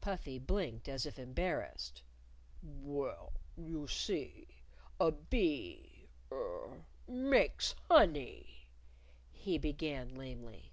Puffy blinked as if embarrassed. "Well, you see, a bee er makes honey," he began lamely.